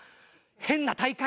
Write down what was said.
変な大会！